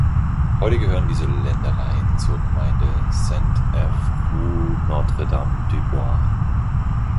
Heute gehören diese Ländereien zur Gemeinde Saint-Evroult-Notre-Dame-du-Bois.